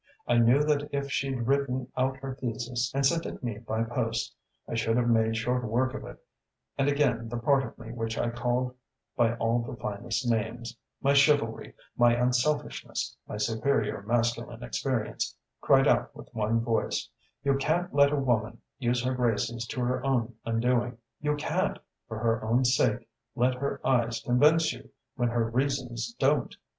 I knew that if she'd written out her thesis and sent it me by post I should have made short work of it; and again the part of me which I called by all the finest names: my chivalry, my unselfishness, my superior masculine experience, cried out with one voice: 'You can't let a woman use her graces to her own undoing you can't, for her own sake, let her eyes convince you when her reasons don't!